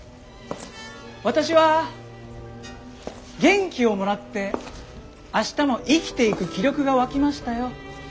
私は元気をもらって明日も生きていく気力が湧きましたよ。